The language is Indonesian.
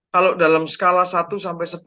kalau dalam skala satu sampai sepuluh